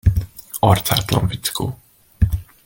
Arcátlan fickó!